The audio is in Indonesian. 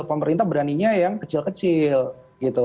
pemerintah beraninya yang kecil kecil gitu